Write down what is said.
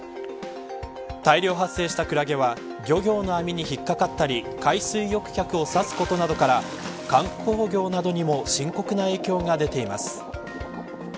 大量発生したクラゲは漁業の網に引っかかったり海水浴客を刺すことから観光業などにも深刻な影響が出ています。